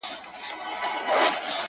د آتشي غرو د سکروټو د لاوا لوري ـ